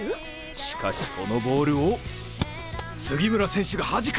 しかしそのボールを杉村選手がはじく！